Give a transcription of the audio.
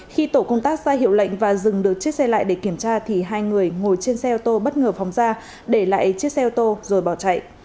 khi tổ công tác ra hiệu lệnh và dừng được chiếc xe lại để kiểm tra thì hai người ngồi trên xe ô tô bất ngờ phòng ra để lại chiếc xe ô tô rồi bỏ chạy